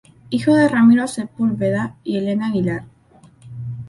Hijo de Ramiro Sepúlveda y Elena Aguilar.